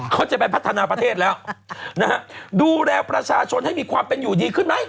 เขาจะไปพัฒนาประเทศแล้วนะฮะดูแลประชาชนให้มีความเป็นอยู่ดีขึ้นไหม